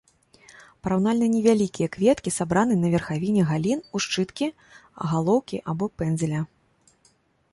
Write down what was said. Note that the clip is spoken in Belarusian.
Параўнальна невялікія кветкі сабраны на верхавіне галін ў шчыткі, галоўкі або пэндзля.